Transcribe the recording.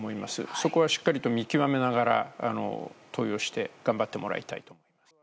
そこはしっかりと見極めながら、登用して頑張ってもらいたいと思います。